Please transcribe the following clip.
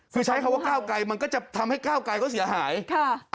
คือใช้คำว่าก้าวไกลมันก็จะทำให้ก้าวไกลเขาเสียหายค่ะ